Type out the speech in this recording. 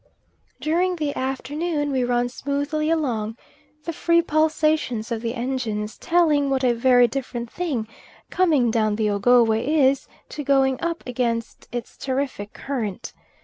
During the afternoon we run smoothly along; the free pulsations of the engines telling what a very different thing coming down the Ogowe is to going up against its terrific current.